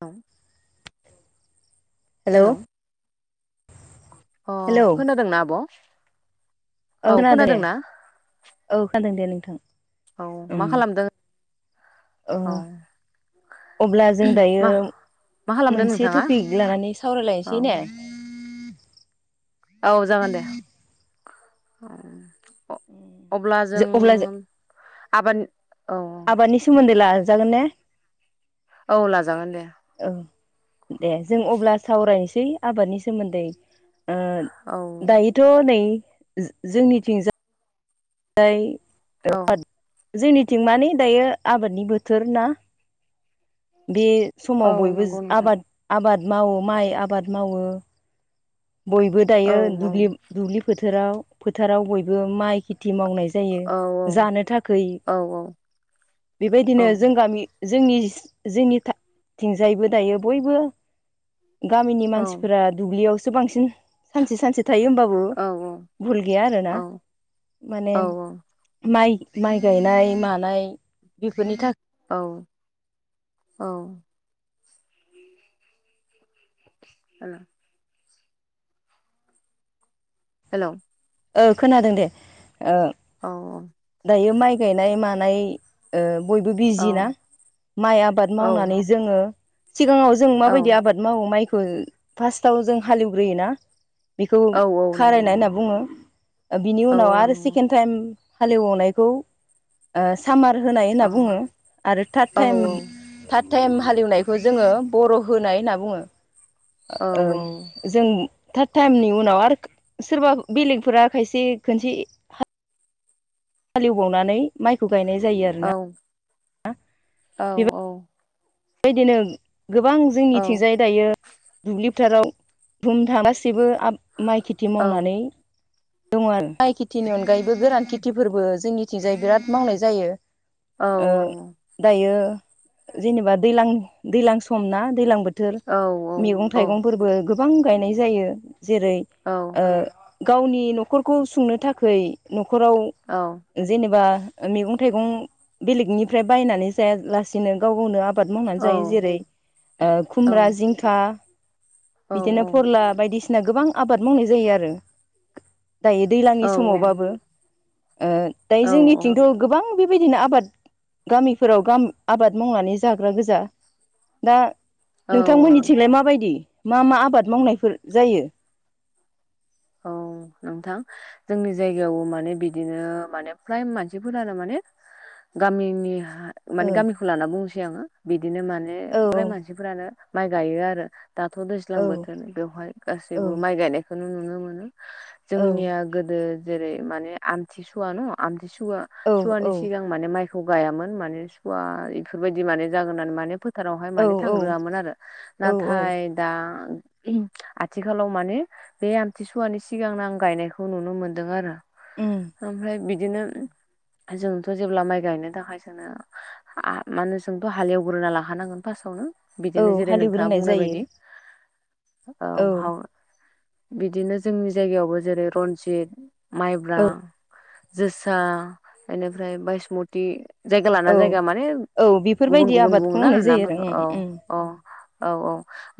औ हेलौ अ हेलौ खोनादोंना आब' औ खोनादों औ खोनादों दे नोंथां औ उम मा खालामदों ओ औ अब्ला जों मा दायो मा खालामदों मोनसे नोंथाङा टपिक लानानै औ सावरायलायनोसै ने औ जागोन दे अब्ला जों जो अब्ला आबाद औ आबादनि सोमोन्दै लाजागोन ने औ लाजागोन दे औ दे जों अब्ला सावरायनोसै आबादनि सोमोन्दै औ दायोथ' नै जोंनिथिंजा दाय औ जोंनिथिं मान दायो आबादनि बोथोर ना बे औ समाव बयबो नंगौ नोंथां आबाद आबाद मावो माइ आबाद मावो बयबो दायो औ औ दुब्लि फोथाराव फोथाराव बयबो माइ खैथि खथि मावनाय जायो औ जानो थाख औ औ बेबायदिनो जों गामि जोंनि जोंनिथिंजायबो दायो बयबो गामिनि औ मानसिफोरा दुब्लियावसो बांसिन सानसे सानसे थायो होमबाबो औ भुल गैया आरोना औ माने माइ माइ गायनाय मानाय बेफोरनि थाखाय औ औ। ह [inaudible] हेलौ। खोनादों दे औ दायो माइ गायनाय मानाय बयबो औ बिजि ना माइ आबाद औ मावनानै जोङो सिगाङाव जों औ माबायदि आबाद मावो माइखौ फार्स्टआव जों हालेवग्रोयोना। बेखौ औ औ नंगौ खारायनाय होनना बुङो। बिनि औ उनाव आरो नंगौ सेकेन्ड टाइम हालेवनायखौ सामार होनाय होनना औ बुङो आरो थार्ड औ टाइम फार्ड टाइम हालेवनायखौ जोङो बर' होनाय होनना बुङो। औ जों थार्द टाइमनि उनाव आरो सोरबा बेलेगफोरा खायसे खनसे हालेवबावनानै माइखौ गायनाय जायो आरो। औ औ औ। बेबायदिनो गोबां औ जोंनिथिंजाय दायो दुब्लिफोराव नुथारासैबो गासिबो माइ खेथि औ मावनानै दङ आरो माइ खेथिनि अनगायैबो गोरान खेथिफोरबो जोंनिथिंजाय बिराद मावनाय जायो। दायो जेनेबा दैलां -दैज्लां सम ना दैज्लां बोथोर औ बोथोर मैगं थाइगंफोरबो गोबां गायनाय जायो। जेरै- औ। ओ गावनि न'खरखौ सुंनो थाखाय न'खराव औ। जेनेबा मैगं थाइगं बेलेगनिफ्राय बायनानै जाया लासेनो गाव गावनो आ मावनानै जायो जेरै खुमब्रा जिंखा बिदिनो फोरला बायदिसिना गोबां आबाद मावनाय जायो आरो। दायो दैलांनि समावबाबो दायो औ जोंनिथिंथ' गोबां बेबायदिनो आबाद गामिफोराव आबाद मावनानै जाग्रा गोजा दा औ नोंथांमोननि फथिगलाय माबायदि मा मा आबाद मावनायफोर जायो। औ नोंथां। जोंनि जायगायावबो माने बिदिनो माने फ्राय मानसिफोर आरो माने गामिनि माने ओ गामिखौ लाना बुंनोसै आङो बिदिनो माने फ्राय मानसिफोरानो माइ गायो आरो दाथ' दैज्लां औ बोथोर बेवहाय गासैबो औ माइ गायनायखौ नुनो मोनो औ जोंनिया गोदो जेरै माने आमथिसुवा न' आमथिसुवा औ सुवानि सिगां आ माने माइखौ गायामोन माने सु बेफोरबायदि माने जागोन होननानै मानो। फोथारावहाय औ माने थांग्रोआममोन आरो औ औ नाथाय दा आथिखालाव माने बेनि आथिस'वानि सिगांनो आं गायनायखौ नुनो मोनदों आरो [inaudible] ओमफ्राय बिदिनो जोंथ' जेब्ला माइ गायनो थाखाय जोङो माने जोंथ' हालेवग्रोना लाखानांगोन फार्स्टआवनो औ बिदिनो जेरै नोंथाङा हालेवग्रोनाय बुंनाय जायो बायदि औ बिदिनो जोंनि जायगायावबो जेरै रनजित माइब्रा औ जोसा बेनिफ्राय बायसमति जायगा लाना औ जायगा माने औ गुबुन बेफोरबायदि गुबुन आबादखौ बुङ ना मावनाय जायो आरो नामफोरखौ औ उम औ उम उम औ औ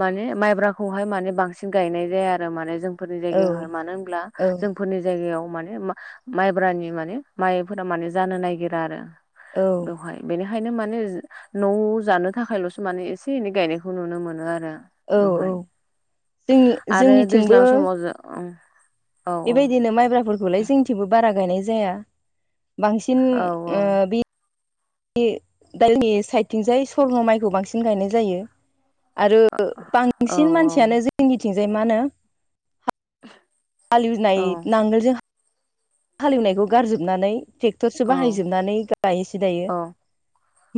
माने माइब्राखौहाय माने बांसिन गायनाय जाया आरो माने नि औ जायगहाय मानो होन औ जों फोरनि जायगायाव माने माइब्रानि माने माइफोरा माने जानो नागिरा आरो औ बेवहाय बेनिखायनो माने न' जानो थाखायल'सो माने एसे एनै गायनायखौ नुनो मोनो आरो औ-औ बेवहाय जोंनि आरो जोंनिथिंबो [unintelligible] औ बेबायदिनो माइब्राफोरखौलाय जोंथिंबो बारा गायनाय जाया बांसिन औ बे दाोंनि साइदथिंजाय स्वर्न' माइखौ बांसिन गायनाय जायो आरो औ बांसिन मानसियानो जोंनिथिंजाय मा होनो हाले औ एवनाय नांगोलजों हाले एवनायखौ गारजोबनानै ट्रेक्टरसो औ बाहायजोबनानै गायोसै दायो औ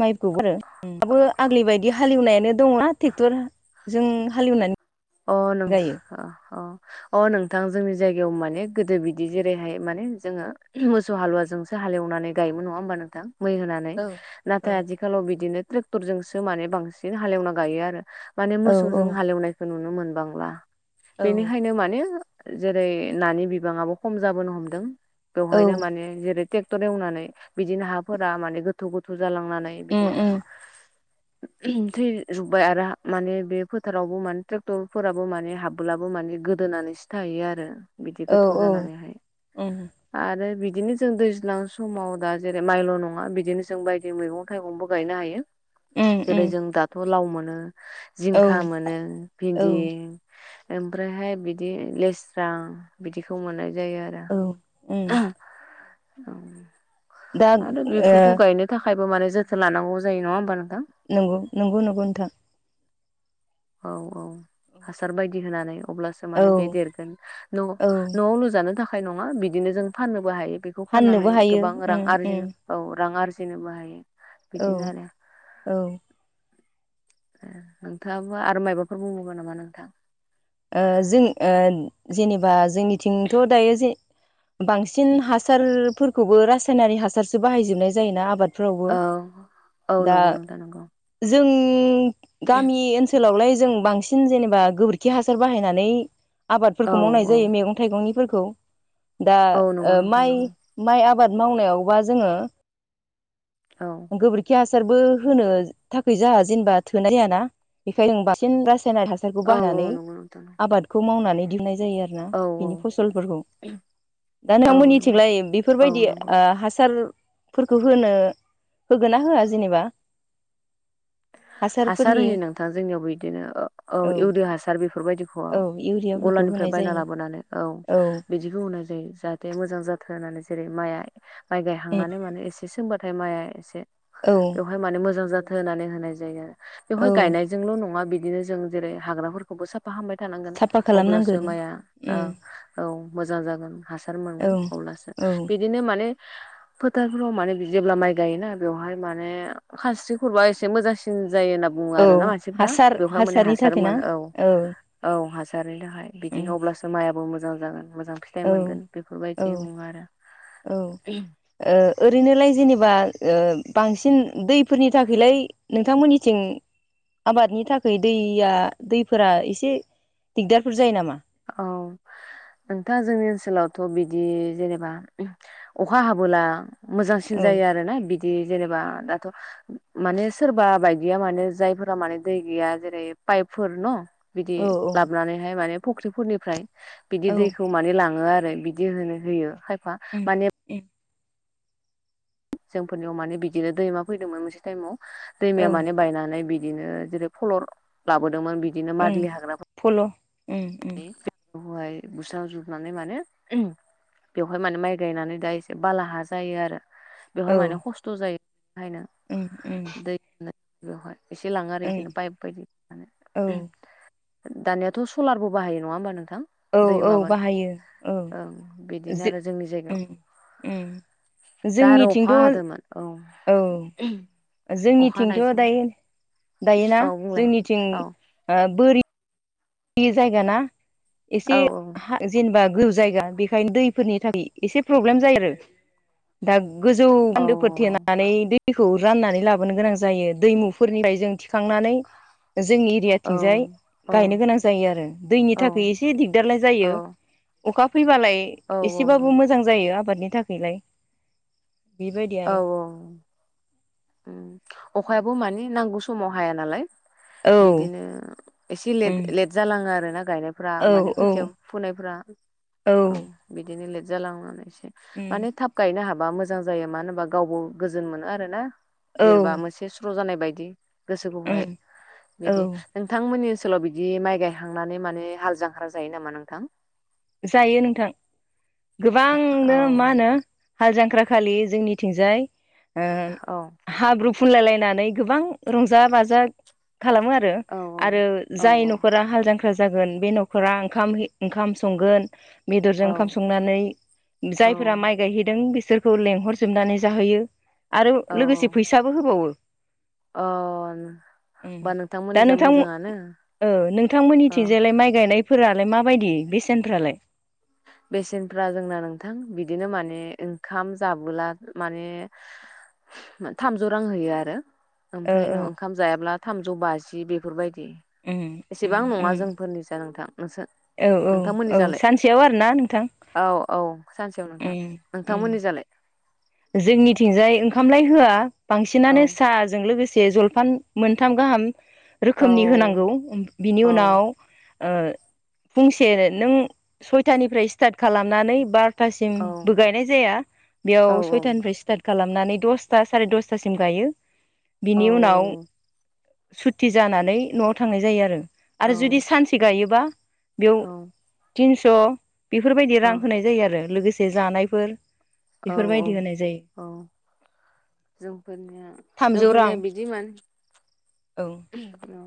माइखौ आरो दाबो आगलि बायदि हालेवनायानो दं ट्रेक्टर जों हाले एवनानै अ नों अ-अ अ नोंथां जोंनि जायगायाव माने गोदो बिदि जेरैहाय माने जोङो मोसौ हालुव जों हाले एवनानै गायोमोन नङा होमबा नोंथां मै होनानै नाथाय आथिखालाव बिदिनो ट्रेक्टरजोंसो माने बांसिन हाले एवना गायो आरो माने औ मोसौजों हालेवनायखौ नुनो मोनबांला औ बेनिखायनो माने जेरै नानि बिबाङाबो खम जाबोनो हमदों बेवहायनो माने जेरै टेक क्टर एवनानै बिदिनो हाफोरा माने गोथौ गोथौ जालांनानै उम बिदिनो उम थैजोब्बाय आरो माने बे फोथारावबो मान ट्रेक्टरफोराबो माने हाबलाबो माने गोदोनानैसो थायो आरो बिदि औ गोथौ औ जानानैहाय उम आरो बिदिनो जों दैज्लां समाव दा जेरै माइल' नङा बिदिनो जों बायदि मैगं थाइगंबो गायनो हायो उम जेरै उम जों दाथ' लाव मोनो औ जिंखा मोनो औ भिन्दि ओमफ्रायहाय बिदि लेस्रां बिदिखौ मोननाय जायो आरो औ उम [inaudible] औ दा ओ आरो बेफोरखौ गायनो थाखायबो माने जोथोन लानांगौ जायो नङा होमबा नोंथां नंगौ नंगौ नंगौ नोंथा औ-औ हासार बायदि होनानै अब्लासो [inaudible] बे औ देरगोन औ न'आव लुजानो थाखाय नङा बिदिनो जों फाननोबो हायो बे बेखौ फाननानै फाननोबो हायो गोबां रां उम उम आरजिनो औ रां आरजिनोबो हायो बिदिनो आरो औ-औ ए नोंथाङाबो आरो मायबाफोर बुंगोन नामा नोंथां जों जेनेबा जोंनिथिंथ' दायो जे बांसिन हासारफोरखौबो रासायनारि हासारसो बाहायजोबनाय जायोना आबाद फोरावबो दा ओ नंगौ जों गामि ओनसो ओनसोलावलाय जों बांसिन जेनेबा गोबोरखि हासार बाहायनानै औ आबादफोरखौ मावनाय जायो मैगं थाइगंनिफोरखौ दा औ नंगौ नोंथां माइ नंगौ माइ आबाद मावनायावबा जोङो औ गोबोरखि हासारबो होनो थाखै जाया जेनेबा थोनाय जायाना बेखायनो बांसिन रासायनाारि हा फटारखौ औ औ बाहायनानै नंगौ नोंथां आबादखौ मावनानै दिहुननाय जायो आरो ना औ औ बिनि फसलफोरखौ दा औ नंगौ नोंथांमोननिथिंलाय औ बेफोरबायदि नंगौ हासार फोरखौ होनो होगोनना होआ जेनेबा हासार हासारफोरनि होयो नोंथां जोंनियावबो बिदिनो औ इउरि हासार बेफोरबायदिखौ औ इउरियाफोरखौ गलानिफ्राय होनाय बायना जायो लाबोनानै औ बिदिबो होननाय जायो जाहा थे मोजां जाथों होननानै जेरै माया माइ उम गायहांनानै माने एसे सोंबाथाय माया एसे औ ओमफाय माने मोजां जाथो होन्नानै होनाय जायो आरो औ बेवहाय गायनायजोंल नङा बिदिनो जेरै जों हाग्राफोर खौबो साफा खामबाय थानांगोन। साफा अब्लासो खालामनांगोन माइआ ओ उम औ मोजां जागोन हासार औ मोनगोन अब्लासो औ बि - बिदिनो माने फोथारफ्राव माने जेब्ला माइ गायोना बेवहाय माने खास्रि खबा एसे मोजांसि जायो होनना बुङो औ आरोना मानसिफ्रा हासार बेवहाय माने हासारनि थाखाय ना हासारमोन औ औ हासारनि थाखाय उम बिदिनो अब्लासो माइआो मोजां जागोन मोजां फि फिथाइ औ मोनगोन औ बेफोरबायदि बुङो आरो। औ ओ ओरैनोलाय जेनेबा ओ बांसिन दैफोरनि थाखायलाय नोंथांमोननिथिं आबादनि थाखाय दैया दैफोरा एसे दिगदारफोर जायो नामा? औ। नोंथाङा जोंनि ओनसोलावथ' बिदि जेनेबा अखा हाबोला मोजांसिन औ जायो आरो ना बिदि जेनेबा दाथ' माने सोरबा बायदिया माने जायफोरा माने दै गैया जेरै पाइपफोर न बिदि औ लाबनानैहाय माने फुख्रिफोरनिफ्राय बिदि औ दैखौ माने लाङो आरो बि बिदि होनो होयो खायफा माने एम। जोंफोरनियाव माने बिदिनो दैमा फैदोंमोन मोनसे टाइमाव औ दैमाया माने बायनानै बिदिनो जेरै फलर लाबोदोंमोन बिदिनो ओं मारलि हाग्राफोर फल उम उम हाय बुस्रांजोबनानै जोबनानै मानो बेवहाय माने माइ गायनानै दा एसे बाला हा जायो आरो। बेवहाय औ माने खस्थ' जायो बेहायनो उम उम दै बेवहाय एसे लाङो आरो बिदिनो ओं पाइप बायदि औ दानियाथ' सलारबो बो नङा होनबा नोंथां? औ दै औ माबानो बाहायो औ ओं बिदिनो आरो जोंनि उम जायगायाव उम उम दा आरो अखा जोंनिथिंथ' हादोंमोन औ अखा जोंनिथिंथ' हानायजों दायो दायोना औ बुंलाय जोंनिथिं औ ओ बोरि बे जायगा ना एसे औ हा जेनेबा गो जायगा बेखायनो दैफोरनि थाखाय एसे प्रब्लेम जायो आरो। दा गोजौ औ बान्दोफोर थेनानै दै दैखौ राननानै लाबोनो गोनां जायो दैमुफोरनिफ्राय जों खांनानै जोंनि औ एरियाथिंजाय औ गायनो गोनां जा जायो आरो दैनि थाखाय एसे दिगदारलाय औ जायो अखा फैबालाय औ एसेबाबो मोजां जायो आबादनि थाखायलाय। बेबायदि औ आरो औ अखायाबो मानि नांगौ समाव हाया नालाय। औ बिदिनो एसे लेट उम लेट जालाङो आरो ना गायनायफोरा औ माने औ खोथिया फुनायफ्रा। ओं औ बिदिनो लेट जालांनानैसै उम माने थाब गायनो हाबा मोजां जायो मानो होन बा गावबो गोजोन मोनो आरो ना औ जेनेबा मोनसे स्र' जानाय बायदि। गोसोखौहाय उम औ बिदि नोंथांमोननि ओनसोलाव बिदि माइ गायखांनानै माने हाल जां हाल जायो नामा नोंथां? जायो नोंथां गोबांनो मा औ होनो? हाल जांख्रााखलि जोंनिथिंजाय ओ औ हाब्रु फुनलायलायनानै गोबां रंजा बाजा खालामो आरो औ आरो औ जाय न'खरा हाल जांख्रा जागोन बे न'खरा ओंखाम ओंखाम संगोन। बेदरजों औ ओंखाम संनानै जायफोरा माइ गायहैदों बिसोरखौ लेंहरजोबनानै जाहोयो। आरो औ लोगोसे फैसाबो होबावो। अ उम होमबा नोंथांमोननि दा जा नोंथां मोजाङानो ओ अ नोंथांमोननिथिंजायलाय माइ गायनायफोरालाय माबायदि बेसेनफ्रालाय बेसेनफ्रा जोंना नोंथां बिदिनो माने ओंखाम जाबोला माने थामजौ रां होयो आरो ओ ओमफ्राय ओ न' ओंखाम जायाब्ला थामजौ बाजि बेफोरबायदि उ एसेबां नङा जोंफोरनिजा नोंथां नोंसोर औ औ नोंथांमोननि औ जालाय सानसेयाव आरोना नोंथां औ औ सानसेयाव नोंथां उम उम नोंथांमोननि जालाय जोंनिथिंजाय ओंखामलाय होआ औ बांसिनानो साहाजों लोगोसे जल फान मोनथाम गाहाम औ रोखोमनि होनांगौ औ बिनि उनाव फंसे नों सयथानिफ्राय स्टार्ट खालामनानै बा औ थासिमबो गायनाय जाया औ बेयाव सय सर्ताथ खालामनानै दसथा सारि दसथासिम गायो औ बिनि उनाव सुथि जानानै न'आव थांनाय जायो आरो आरो जुदि सानसे गायोबा बेयाव औ तिनस' बेफोरबायदि रां होनाय जायो आरो लोगोसे जानायफोर औ औ बेफोरबायदि होनाय जायो औ जोंफोरनिया थामजौ रां जोंफोरनिया बिदिमोन औ औ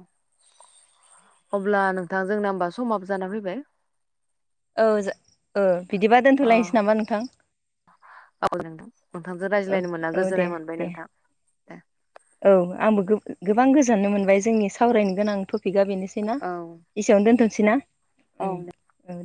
अब्ला नोंथां जोंना होमबा समाबो जाना फैबाय औ जा ओ बिदिबा अ दोनथ'लायनोसै नामा नोंथां औ नोंथां नोंथांजों औ रायज्लायनो मोनना औ दे गोजोननाय मोनबाय दे नोंथां दे औ आंबो गोबां गोजोननो मोनबाय जोंनि सावरायनो गोनां टपिकआ बेनो सैना औ एसेयावनो औ दोनथ'नोसैना